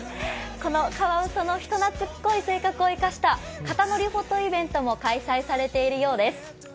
このカワウソの人なつこい性格を生かした肩乗りフォトイベントも開催されているようです。